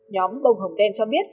nhóm bông hồng đen cho biết